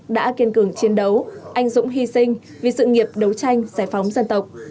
đã kiên cường chiến đấu anh dũng hy sinh vì sự nghiệp đấu tranh giải phóng dân tộc